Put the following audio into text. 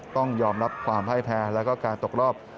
ต้องยอมรับความพ่ายแพ้แล้วก็การตกรอบ